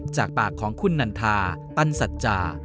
จากปากของคุณนันทาตันสัจจา